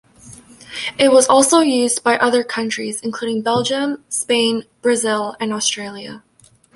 It was also used by other countries, including Belgium, Spain, Brazil and Australia.